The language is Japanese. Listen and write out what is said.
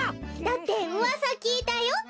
だってうわさきいたよ。